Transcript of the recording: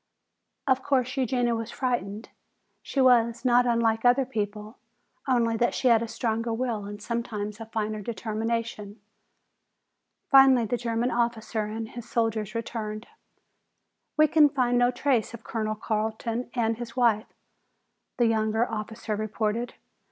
Of course, Eugenia was frightened. She was not unlike other people, only that she had a stronger will and sometimes a finer determination. Finally the German officer and his soldiers returned. "We can find no trace of Colonel Carton or his wife," the younger officer reported.